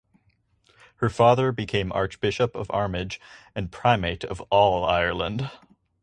Her father became Archbishop of Armagh and Primate of All Ireland.